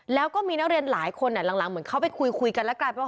แล้วก็มีนักเรียนหลายคนหลังเหมือนเข้าไปคุยกันแล้วกลายเป็นว่า